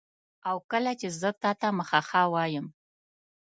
او کله چي زه تاته مخه ښه وایم